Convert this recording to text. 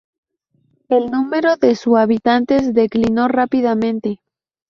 El número de su habitantes declinó rápidamente.